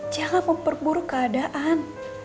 jangan memperburuk keadaan